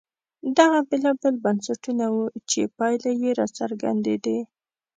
دغه بېلابېل بنسټونه وو چې پایلې یې راڅرګندېدې.